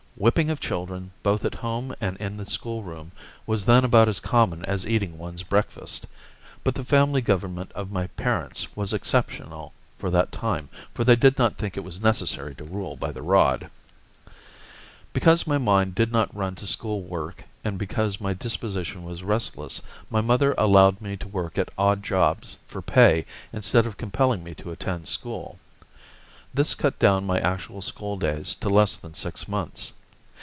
Whipping of children, both at home and in the school room, was then about as common as eating one's breakfast; but the family government of my parents was exceptional for that time, for they did not think it was necessary to rule by the rod. Because my mind did not run to school work and because my disposition was restless, my mother allowed me to work at odd jobs for pay instead of compelling me to attend school. This cut down my actual school days to less than six months.